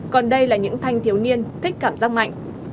còn đây là những thanh thiếu niên thích cảm giác mạnh